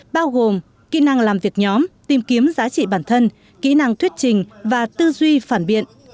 bao gồm kỹ năng làm việc nhóm tìm kiếm giá trị bản thân kỹ năng thuyết trình và tư duy phản biện